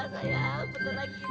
sayang beneran kita kawin